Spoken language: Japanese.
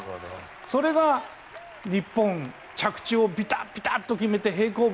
それが日本着地をビタッと決めて平行棒